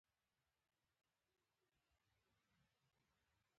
د سکرو د ساتلو او لیږد پروسه ځانګړي تدابیر غواړي.